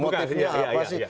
motifnya apa sih